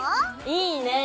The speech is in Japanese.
いいねぇ！